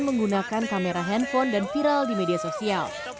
menggunakan kamera handphone dan viral di media sosial